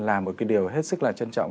là một cái điều hết sức là trân trọng